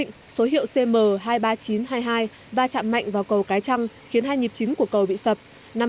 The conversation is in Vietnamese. ở hàng vịnh số hiệu cm hai mươi ba nghìn chín trăm hai mươi hai va chạm mạnh vào cầu cái trăng khiến hai nhịp chính của cầu bị sập